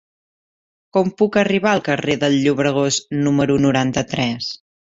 Com puc arribar al carrer del Llobregós número noranta-tres?